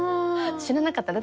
知らなかった。